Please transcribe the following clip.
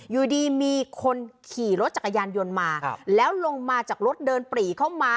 อยู่ดีมีคนขี่รถจักรยานยนต์มาแล้วลงมาจากรถเดินปรีเข้ามา